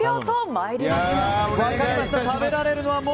参りましょう。